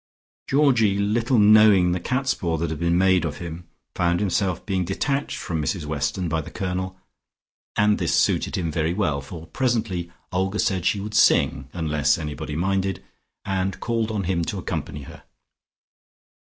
Georgie little knowing the catspaw that had been made of him, found himself being detached from Mrs Weston by the Colonel, and this suited him very well, for presently Olga said she would sing, unless anybody minded, and called on him to accompany her.